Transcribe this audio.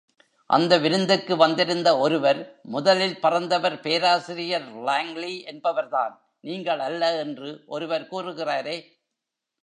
அந்த விருந்துக்கு வந்திருந்த ஒருவர், முதலில் பறந்தவர் பேராசிரியர் லாங்லி என்பவர்தான், நீங்கள் அல்ல என்று ஒருவர் கூறுகிறாரே!